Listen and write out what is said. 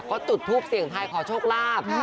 ก็จุดทูปเสียงทายขอโชคลาภ